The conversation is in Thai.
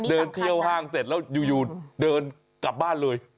เดินเที่ยวห้างเสร็จแล้วอยู่เดินกลับบ้านเลย